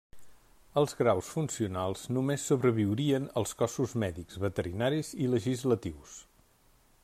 Els graus funcionals només sobreviurien als cossos mèdics, veterinaris i legislatius.